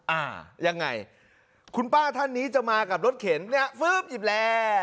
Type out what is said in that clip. อ่ายังไงคุณป้าท่านนี้จะมากับรถเข็นเนี่ยฟื๊บหยิบแร่